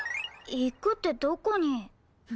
行くってどこに？